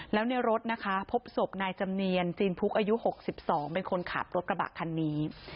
แล้วในรถนะคะพบศพนายจำเนียนจีนพุกอายุ๖๒เป็นคนขับรถกระบะคันนี้